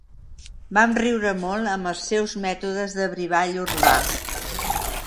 Vam riure molt amb els seus mètodes de brivall urbà.